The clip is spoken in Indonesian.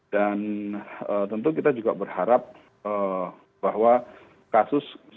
dan tentu kita juga berharap bahwa kasus